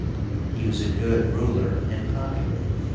He was a good ruler and popular.